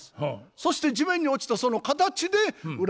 そして地面に落ちたその形で占います。